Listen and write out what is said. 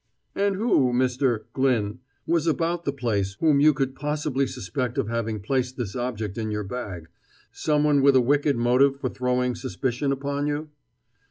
"And who, Mr. Glyn, was about the place whom you could possibly suspect of having placed this object in your bag someone with a wicked motive for throwing suspicion upon you?"